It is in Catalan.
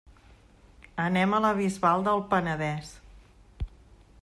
Anem a la Bisbal del Penedès.